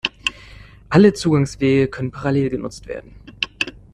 Alle Zugangswege können parallel genutzt werden.